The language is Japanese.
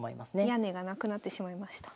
屋根が無くなってしまいました。